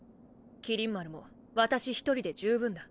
麒麟丸も私１人で十分だ。